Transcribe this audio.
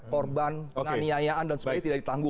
korban penganiayaan dan sebagainya tidak ditanggung